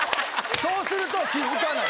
そうすると気付かない。